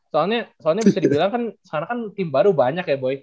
soalnya soalnya bisa dibilang kan sekarang kan tim baru banyak ya boy